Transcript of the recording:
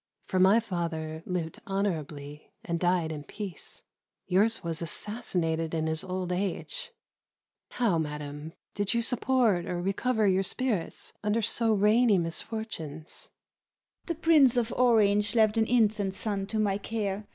For my father lived honourably, and died in peace: yours was assassinated in his old age. How, madam, did you support or recover your spirits under so rainy misfortunes? Princess of Orange. The Prince of Orange left an infant son to my care.